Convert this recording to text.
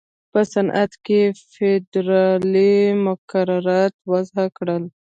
په صنعت کې یې فېدرالي مقررات وضع کړل.